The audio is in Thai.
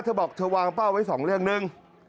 เธอบอกเธอวางเป้าไว้สองเรื่องหนึ่ง